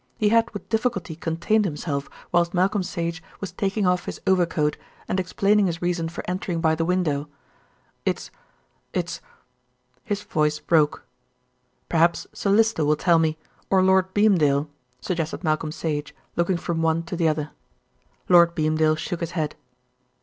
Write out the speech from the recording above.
He had with difficulty contained himself whilst Malcolm Sage was taking off his overcoat and explaining his reason for entering by the window. "It's it's " His voice broke. "Perhaps Sir Lyster will tell me, or Lord Beamdale," suggested Malcolm Sage, looking from one to the other. Lord Beamdale shook his head.